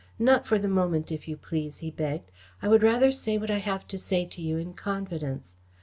"Not for the moment, if you please," he begged. "I would rather say what I have to say to you in confidence.